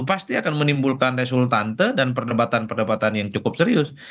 pasti akan menimbulkan resultante dan perdebatan perdebatan yang cukup serius